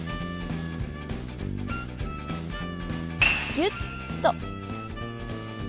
ギュッと！